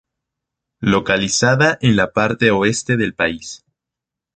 Localizada en la parte oeste del país.